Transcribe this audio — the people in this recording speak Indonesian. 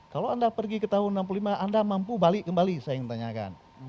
kalau anda pergi ke tahun seribu sembilan ratus enam puluh lima anda mampu balik kembali saya ingin tanyakan